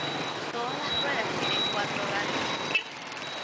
Todas las ruedas tienen cuatro radios.